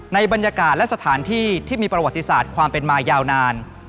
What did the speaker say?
ในบรรยากาศและสถานที่ที่มีประวัติศาสตร์ความเป็นมายาวนาน